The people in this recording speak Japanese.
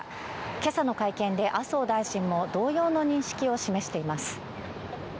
けさの会見で麻生大臣も、同様の認識を示しています。